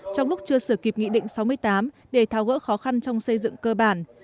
trong lúc chưa sửa kịp nghị định sáu mươi tám để tháo gỡ khó khăn trong xây dựng cơ bản